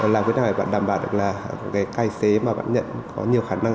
làm thế nào để bạn đảm bảo được là cái tài xế mà bạn nhận có nhiều khả năng